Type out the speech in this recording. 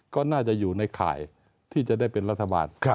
ก็น่าจะอยู่ในข่ายที่จะได้เป็นรัฐบาล